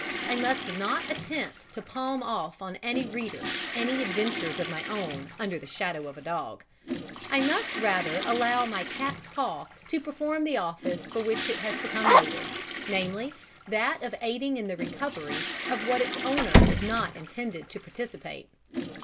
I must not attempt to palm off on my readers any adventures of my own under the shadow of a dog. I must rather allow my Cat's paw to perform the office for which it has become noted, namely, that of aiding in the recovery of what its owner is not intended to participate.